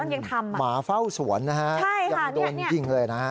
หมาเฝ้าสวนยังโดนจริงเลยนะ